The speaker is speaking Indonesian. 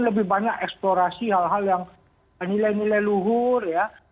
lebih banyak eksplorasi hal hal yang nilai nilai luhur ya